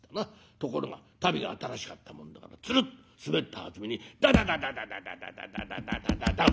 ところが足袋が新しかったもんだからツルッ滑ったあとにダダダダダダダッダン！